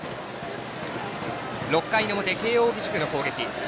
６回表、慶応義塾の攻撃。